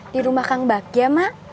di rumah kang bagja mak